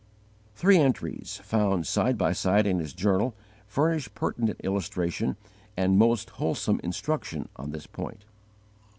Three entries, found side by side in his journal, furnish pertinent illustration and most wholesome instruction on this point.